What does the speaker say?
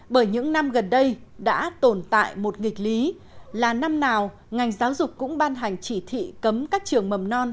bởi những năm gần đây đã tồn tại một nghịch lý là năm nào ngành giáo dục cũng ban hành chỉ thị cấm các trường mầm non